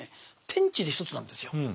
天地で一つなんですよ。